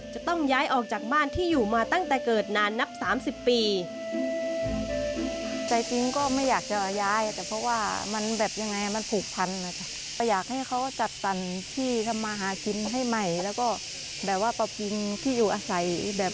จะต้องย้ายออกจากบ้านที่อยู่มาตั้งแต่เกิดนานนับ๓๐ปี